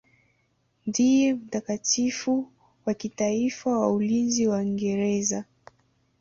Ndiye mtakatifu wa kitaifa wa ulinzi wa Uingereza.